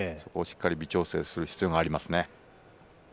しっかり微調整する必要がありますね。